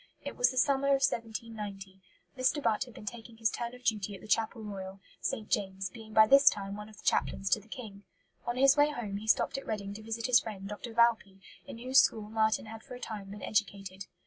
It was the summer of 1790. Mr. Butt had been taking his turn of duty at the Chapel Royal, St. James's, being by this time one of the chaplains to the King. On his way home he stopped at Reading to visit his friend Dr. Valpy, in whose school Marten had for a time been educated.